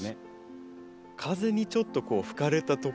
風にちょっとこう吹かれたとこ。